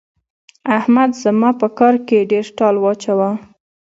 احمد زما په کار کې ډېر ټال واچاوو.